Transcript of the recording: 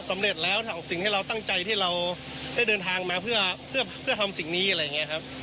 สำเร็จแล้วสิ่งที่เราตั้งใจที่เราได้เดินทางมาเพื่อทำสิ่งนี้อะไรอย่างนี้ครับ